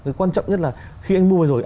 cái quan trọng nhất là khi anh mua rồi